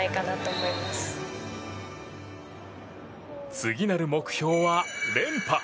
次なる目標は連覇。